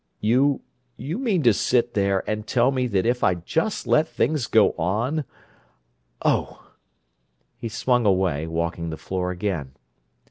"You—you mean to sit there and tell me that if I'd just let things go on—Oh!" He swung away, walking the floor again.